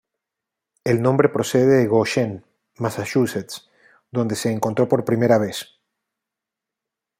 El nombre procede de Goshen, Massachusetts, donde se encontró por primera vez.